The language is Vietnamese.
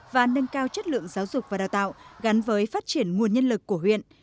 và nâng cao chất lượng giáo dục và đào tạo gắn với phát triển nguồn nhân lực của huyện